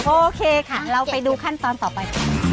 โอเคค่ะเราไปดูขั้นตอนต่อไป